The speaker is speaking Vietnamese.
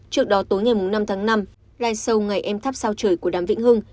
trước đó tối ngày năm tháng năm live show ngày em thắp sao trời của đàm vĩnh hưng